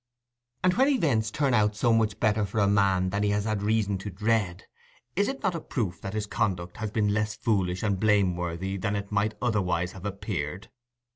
And when events turn out so much better for a man than he has had reason to dread, is it not a proof that his conduct has been less foolish and blameworthy than it might otherwise have appeared?